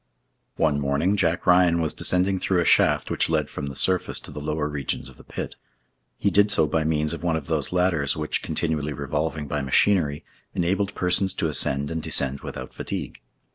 One morning Jack Ryan was descending through a shaft which led from the surface to the lower regions of the pit. He did so by means of one of those ladders which, continually revolving by machinery, enabled persons to ascend and descend without fatigue.